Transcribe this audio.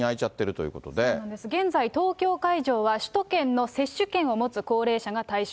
そうなんです、現在東京会場は、首都圏の接種券を持つ高齢者が対象。